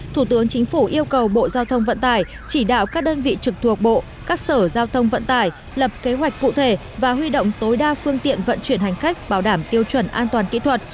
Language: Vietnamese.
thủ tướng chính phủ yêu cầu bộ giao thông vận tải chỉ đạo các đơn vị trực thuộc bộ các sở giao thông vận tải lập kế hoạch cụ thể và huy động tối đa phương tiện vận chuyển hành khách bảo đảm tiêu chuẩn an toàn kỹ thuật